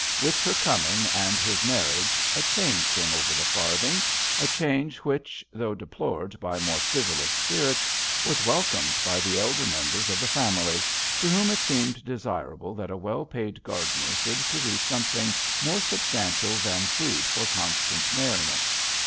With her coming and his marriage a change came over the Farthing, a change which, though deplored by more frivolous spirits, was welcomed by the elder members of the family, to whom it seemed desirable that a well paid gardener should produce some thing more substantial than food for constant merriment.